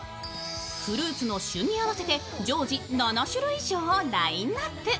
フルーツの旬に合わせて、常時７種類以上をラインナップ。